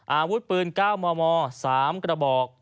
อาวุธปืน๙มม๓กระบอก